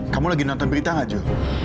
kamu lagi nonton berita gak jo